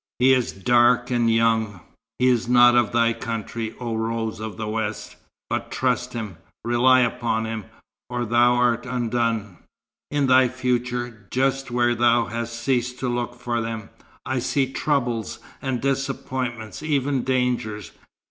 "He is dark, and young. He is not of thy country, oh Rose of the West, but trust him, rely upon him, or thou art undone. In thy future, just where thou hast ceased to look for them, I see troubles and disappointments, even dangers.